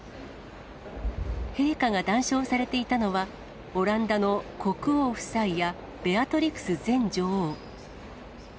陛下が談笑されていたのは、オランダの国王夫妻やベアトリクス前女王。